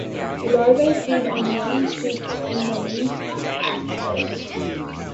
Larvae feed on young shoots in the leaf axils.